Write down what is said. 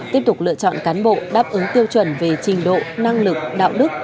tiếp tục lựa chọn cán bộ đáp ứng tiêu chuẩn về trình độ năng lực đạo đức